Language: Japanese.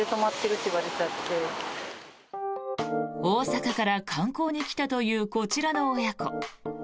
大阪から観光に来たというこちらの親子。